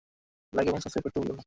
Like এবং subscribe করতে ভুলবেন না!